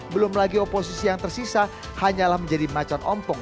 belum lagi oposisi yang tersisa hanyalah menjadi macan ompong